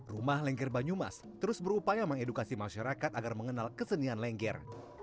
rumah lengger banyumas terus berupaya mengedukasi masyarakat agar mengenal kesenian lengger